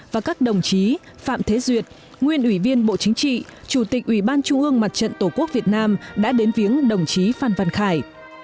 và các đồng chí phạm thế duyệt nguyên ủy viên bộ chính trị chủ tịch ủy ban trung ương mặt trận tổ quốc việt nam đã đến viếng đồng chí phan văn khải